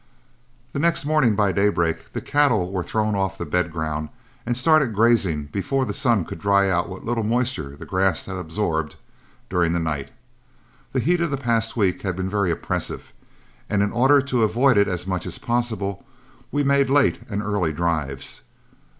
The next morning by daybreak the cattle were thrown off the bed ground and started grazing before the sun could dry out what little moisture the grass had absorbed during the night. The heat of the past week had been very oppressive, and in order to avoid it as much as possible, we made late and early drives.